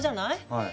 はい。